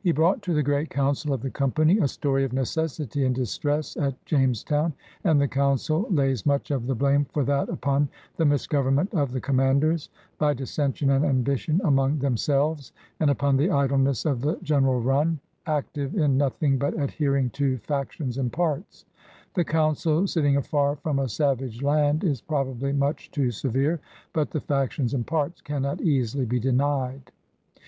He brought to the great Coundl of the Company a story of necessity and distress at Jamestown, and the Council lays much of the blame for that upon '"the misgovemment of the Commanders, by dissention and ambition among themselves, '' and upon the idleness of the general run, '^active in nothing but adhearing to factions and parts/' The Council, sitting afar from a savage land, is probably much too severe. But the *^ factions and parts" cannot easily be denied.